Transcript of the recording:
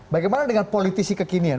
bagaimana dengan politisi kekinian